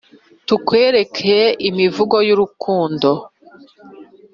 tukwereke imivugo yu rukundo,